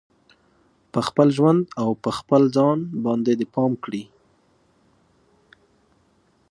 په خپل ژوند او په خپل ځان باندې دې پام کړي